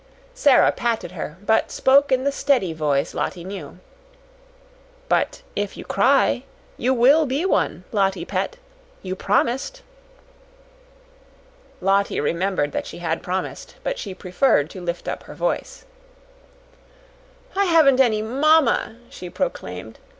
Sara patted her, but spoke in the steady voice Lottie knew. "But if you cry, you will be one, Lottie pet. You PROMISED." Lottie remembered that she had promised, but she preferred to lift up her voice. "I haven't any mamma," she proclaimed.